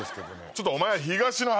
ちょっとお前。